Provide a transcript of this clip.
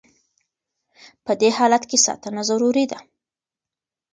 په دې حالت کې ساتنه ضروري ده.